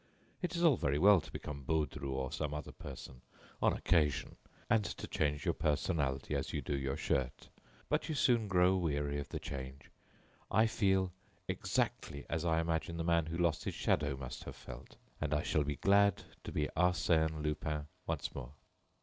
It is all very well to become Baudru or some other person, on occasion, and to change your personality as you do your shirt, but you soon grow weary of the change. I feel exactly as I imagine the man who lost his shadow must have felt, and I shall be glad to be Arsène Lupin once more."